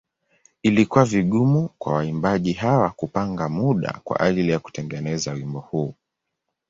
Ilikuwa vigumu kwa waimbaji hawa kupanga muda kwa ajili ya kutengeneza wimbo huu.